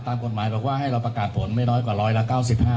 ตามกฎหมายบอกว่าให้เราประกาศผลไม่น้อยกว่าร้อยละ๙๕